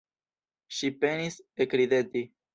Ŝi penis ekrideti.